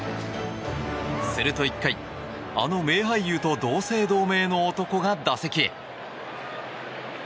すると１回、あの名俳優と同姓同名の男が打席へ。